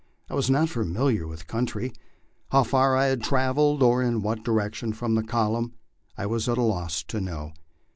I was not familiar with the country. How far I had travelled, or in what direction from the column, I was at a loss to know.